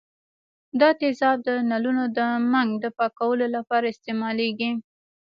دا تیزاب د نلونو د منګ د پاکولو لپاره استعمالیږي.